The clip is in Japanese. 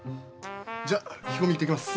じゃあ聞き込み行ってきます。